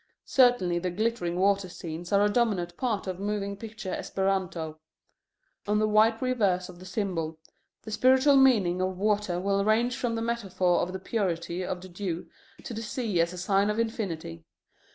Certainly the glittering water scenes are a dominant part of moving picture Esperanto. On the white reverse of the symbol, the spiritual meaning of water will range from the metaphor of the purity of the dew to the sea as a sign of infinity.